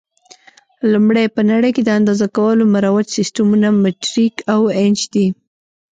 لومړی: په نړۍ کې د اندازه کولو مروج سیسټمونه مټریک او انچ دي.